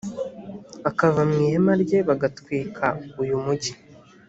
akava mu ihema rye bagatwika uyu mugi